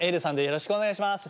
よろしくお願いします。